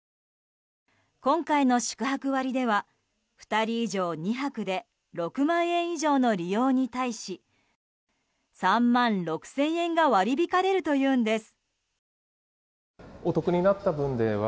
今回の宿泊割では２人以上２泊で６万円以上の利用に対し３万６０００円が割り引かれるというんです。